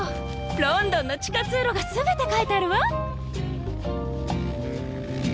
ロンドンの地下通路が全て描いてあるわ。